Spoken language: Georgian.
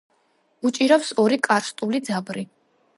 უჭირავს ორი კარსტული ძაბრი.